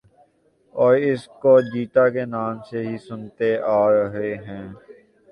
اس کو چیتا کے نام سے ہی سنتے آرہے ہیں